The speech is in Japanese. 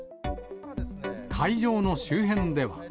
会場の周辺では。